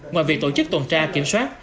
ngoài việc tổ chức tuần tra kiểm soát